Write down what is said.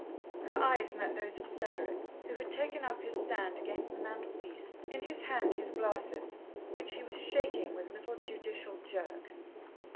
Her eyes met those of Cedric, who had taken up his stand against the mantelpiece, in his hand his glasses, which he was shaking with little, judicial jerks.